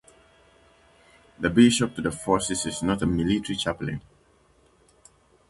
The Bishop to the Forces is not a military chaplain.